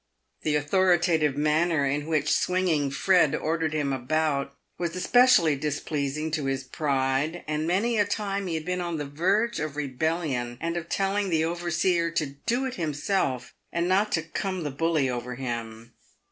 The authoritative manner in which Swinging Fred ordered him about was especially displeasing to his pride, and many a time he had been on the verge of rebellion, and of telling the overseer to do it himself, and not to " come the bully over him."